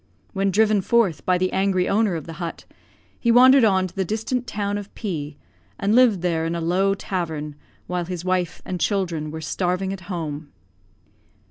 When driven forth by the angry owner of the hut, he wandered on to the distant town of P , and lived there in a low tavern, while his wife and children were starving at home.